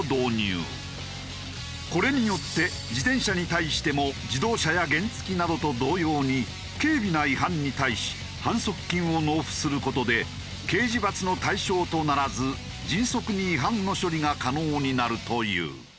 これによって自転車に対しても自動車や原付きなどと同様に軽微な違反に対し反則金を納付する事で刑事罰の対象とならず迅速に違反の処理が可能になるという。